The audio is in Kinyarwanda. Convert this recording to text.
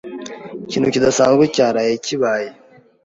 Ikintu kidasanzwe cyaraye kibaye.